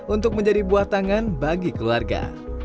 untuk menjadi buah tangan bagi keluarga